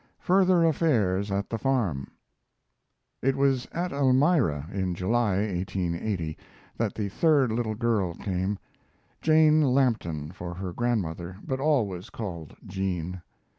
FURTHER AFFAIRS AT THE FARM It was at Elmira, in July (1880), that the third little girl came Jane Lampton, for her grandmother, but always called Jean.